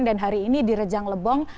dan hari ini di rejang lebong